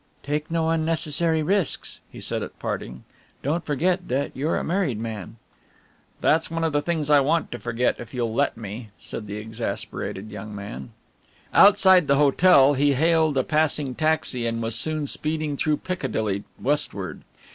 "Take no unnecessary risks," he said at parting, "don't forget that you're a married man." "That's one of the things I want to forget if you'll let me," said the exasperated young man. Outside the hotel he hailed a passing taxi and was soon speeding through Piccadilly westward.